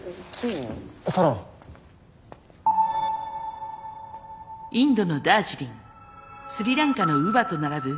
インドのダージリンスリランカのウヴァと並ぶ